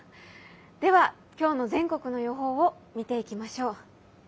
では今日の全国の予報を見ていきましょう。